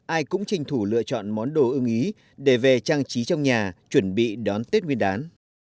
ai cũng tranh thủ lựa chọn món đồ ưng ý để về trang trí trong nhà chuẩn bị đón tết nguyên đán